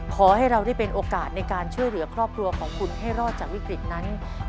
ขอให้เราได้เป็นโอกาสในการช่วยเหลือครอบครัวของคุณให้รอดจากวิกฤตนั้น